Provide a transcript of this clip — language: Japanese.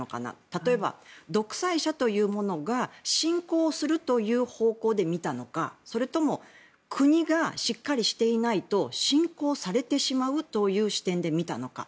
例えば、独裁者というものが侵攻するという方向で見たのかそれとも国がしっかりしていないと侵攻されてしまうという視点で見たのか。